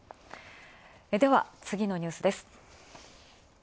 では次のニュースです。